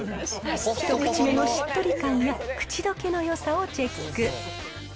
一口目のしっとり感や、口どけのよさをチェック。